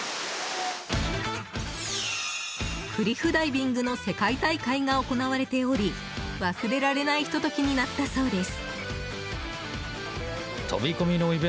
クリフダイビングの世界大会が行われており忘れられないひと時になったそうです。